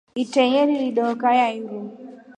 Itreye lili dooka ya iru.